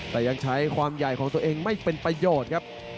แต่ยังใช้ความใหญ่ของตัวเองไม่เป็นประโยชน์ครับ